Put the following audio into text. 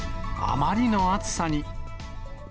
あまりの暑さに。